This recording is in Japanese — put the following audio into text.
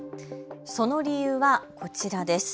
その理由はこちらです。